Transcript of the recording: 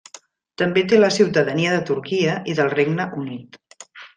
També té la ciutadania de Turquia i del Regne Unit.